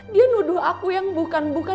dia nuduh aku yang bukan bukan